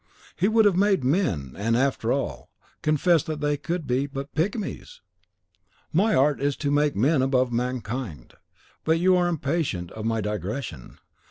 "He would have made men, and, after all, confessed that they could be but pygmies! My art is to make men above mankind. But you are impatient of my digressions.